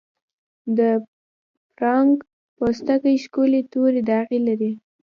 د پړانګ پوستکی ښکلي تورې داغې لري.